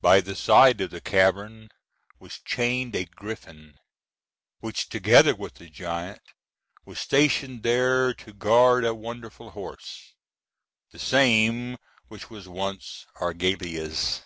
By the side of the cavern was chained a griffin, which, together with the giant, was stationed there to guard a wonderful horse, the same which was once Argalia's.